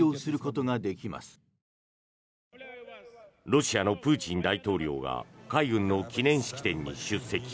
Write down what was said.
ロシアのプーチン大統領が海軍の記念式典に出席。